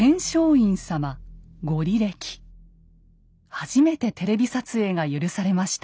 初めてテレビ撮影が許されました。